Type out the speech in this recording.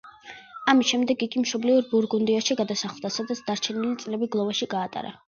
ამის შემდეგ იგი მშობლიური ბურგუნდიაში გადასახლდა, სადაც დარჩენილი წლები გლოვაში გაატარა.